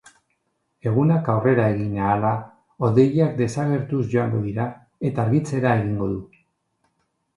Egunak aurrera egin ahala, hodeiak desagertuz joango dira eta argitzera egingo du.